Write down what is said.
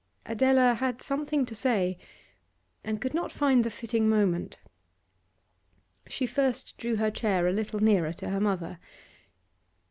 Adela had something to say and could not find the fitting moment. She first drew her chair a little nearer to her mother.